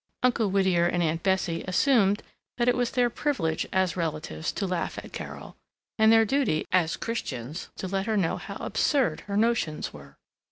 Uncle Whittier and Aunt Bessie assumed that it was their privilege as relatives to laugh at Carol, and their duty as Christians to let her know how absurd her "notions" were.